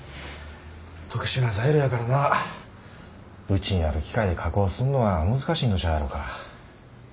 特殊な材料やからなうちにある機械で加工すんのは難しいんとちゃうやろか。